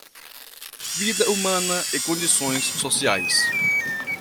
Vida humana e condições sociais